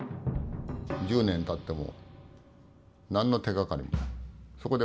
１０年たっても何の手がかりもない。